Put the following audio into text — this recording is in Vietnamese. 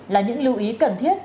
là những lưu ý cần thiết